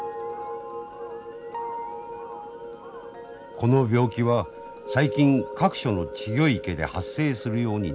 この病気は最近各所の稚魚池で発生するようになりました。